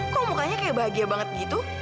kok mukanya kayak bahagia banget gitu